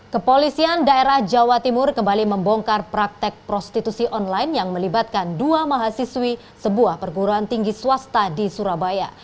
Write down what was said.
kepolisian daerah jawa timur kembali membongkar praktek prostitusi online yang melibatkan dua mahasiswi sebuah perguruan tinggi swasta di surabaya